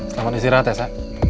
selamat istirahat ya